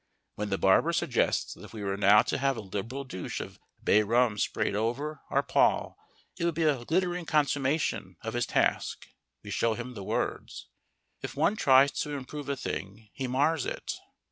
_ When the barber suggests that if we were now to have a liberal douche of bay rum sprayed over our poll it would be a glittering consummation of his task, we show him the words: _If one tries to improve a thing, he mars it.